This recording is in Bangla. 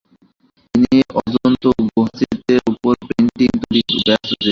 তিনি অজন্তা গুহাচিত্রের ওপর পেইন্টিং তৈরিতে ব্যস্ত ছিল।